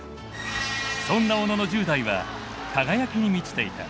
そんな小野の１０代は輝きに満ちていた。